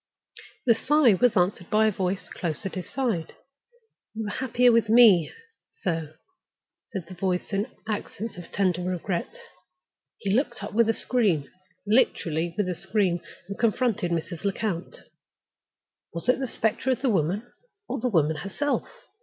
The sigh was answered by a voice close at his side. "You were happier with me, sir," said the voice, in accents of tender regret. He looked up with a scream—literally, with a scream—and confronted Mrs. Lecount. Was it the specter of the woman, or the woman herself?